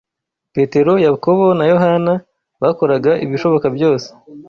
Petero, Yakobo na Yohana bakoraga ibishoboka byose